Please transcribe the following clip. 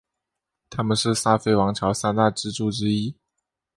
他们是萨非王朝三大支柱之一。